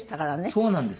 そうなんです。